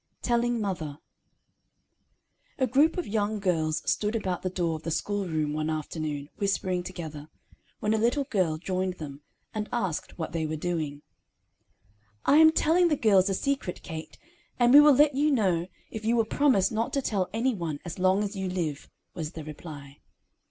"] TELLING MOTHER A group of young girls stood about the door of the schoolroom one afternoon, whispering together, when a little girl joined them, and asked what they were doing. "I am telling the girls a secret, Kate, and we will let you know, if you will promise not to tell any one as long as you live," was the reply.